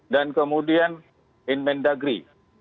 dan kemudian in main dagri